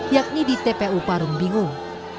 yakni di tpu parung bingung